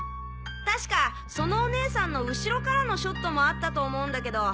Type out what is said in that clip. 確かそのお姉さんの後ろからのショットもあったと思うんだけど。